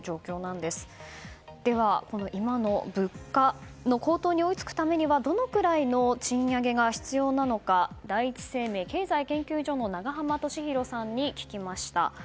では、今の物価の高騰に追いつくためにはどのくらいの賃上げが必要なのか第一生命経済研究所の永濱利廣さんに聞きました。